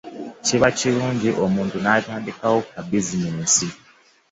Kiba kirunji omuntu natamdikawo ka bizineesi .